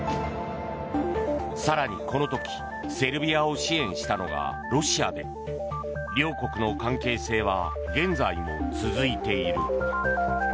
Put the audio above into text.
更に、この時セルビアを支援したのがロシアで両国の関係性は現在も続いている。